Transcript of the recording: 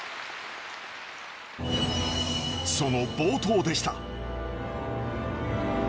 その冒頭でした。